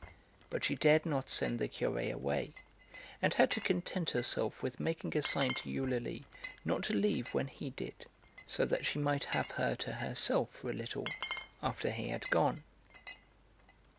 But she dared not send the Curé away, and had to content herself with making a sign to Eulalie not to leave when he did, so that she might have her to herself for a little after he had gone.